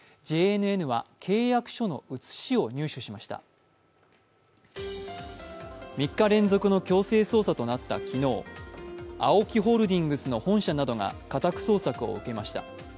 ＪＮＮは契約書の写しを入手しました３日連続の強制捜査となった昨日ＡＯＫＩホールディングスの本社などが家宅捜索を受けました。